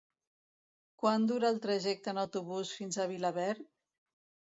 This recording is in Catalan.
Quant dura el trajecte en autobús fins a Vilaverd?